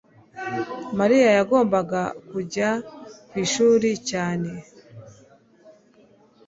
mariya yagombaga kujya ku ishuri cyane